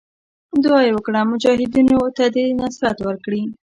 دعا یې وکړه مجاهدینو ته دې نصرت ورکړي.